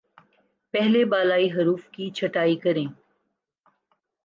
پہلے بالائی حروف کی چھٹائی کریں